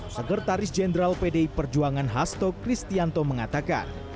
sekretaris jenderal pdi perjuangan hasto kristianto mengatakan